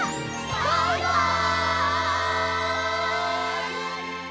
バイバイ！